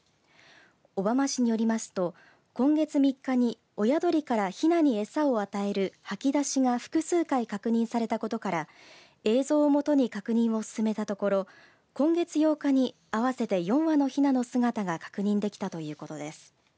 小浜市によりますと、今月３日に親鳥からひなに餌を与える吐き出しが複数回確認されたことから映像を基に確認を進めたところ今月８日に合わせて４羽のひなの姿が確認できたということです。